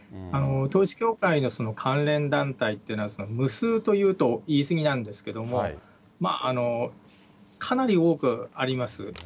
統一教会の関連団体というのは無数と言うと言い過ぎなんですけども、かなり多くあります。